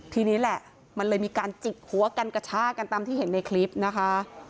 ทีนี้แหละมันเลยมีการจิกหัวกันกระชากันตามที่เห็นในคลิปนะคะ